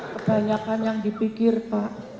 kebanyakan yang dipikir pak